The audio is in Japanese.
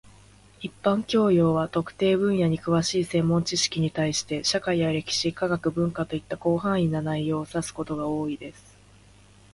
一般教養 （general knowledge） は、特定分野に詳しい専門知識に対して、社会や歴史、科学、文化といった広範な内容を指すことが多いです。